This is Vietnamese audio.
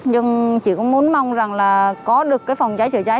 nhưng chỉ cũng muốn mong rằng là có được cái phòng cháy chữa cháy